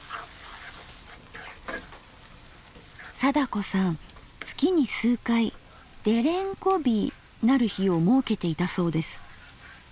貞子さん月に数回「デレンコ日」なる日を設けていたそうです。